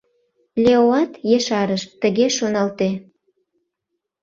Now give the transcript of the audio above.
Леоат ешарыш: «Тыге, шоналте.